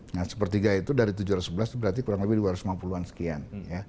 nah sepertiga itu dari tujuh ratus sebelas berarti kurang lebih dua ratus lima puluh an sekian